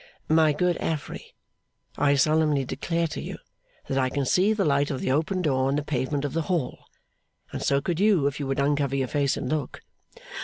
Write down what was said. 'My good Affery, I solemnly declare to you that I can see the light of the open door on the pavement of the hall, and so could you if you would uncover your face and look.